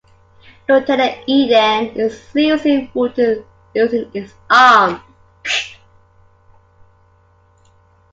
Lieutenant Eden is seriously wounded, losing his arm.